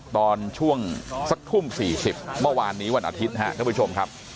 ตอนช่วงสักทุ่มสี่สิบเมื่อวานนี้วันอาทิตย์ฮะเดี๋ยวไปชมครับ